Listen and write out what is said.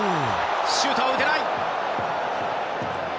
シュートは打てない。